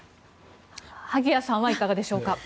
萩谷さんはいかがでしょうか？